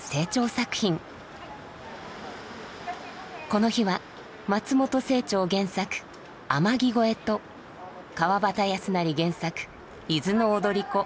この日は松本清張原作「天城越え」と川端康成原作「伊豆の踊子」。